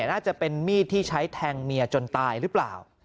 น่าจะเป็นมีดที่ใช้แทงเมียจนตายหรือเปล่า